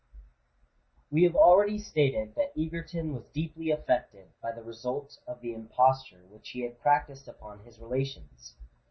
We have already stated that Egerton was deeply affected by the result of the imposture which he had practised upon his relations.